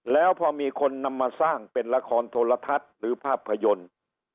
แล้วพอมีคนนำมาสร้างเป็นละครโทรทัศน์หรือภาพยนตร์